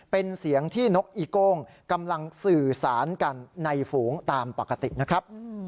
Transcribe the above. เป็นเสียงที่นกอีโก้งกำลังสื่อสารกันในฝูงตามปกตินะครับ